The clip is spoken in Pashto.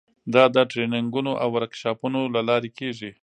دا د ټریننګونو او ورکشاپونو له لارې کیږي.